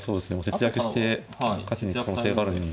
節約して勝ちに行く可能性があるんで。